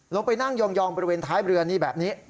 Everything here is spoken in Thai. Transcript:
ลงไปนั่งยองบริเวณท้ายเรือนี่แบบนี้